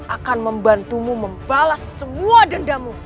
akan membantumu membalas semua dendamu